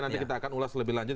nanti kita akan ulas lebih lanjut